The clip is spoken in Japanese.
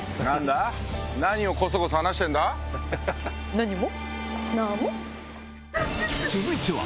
何も。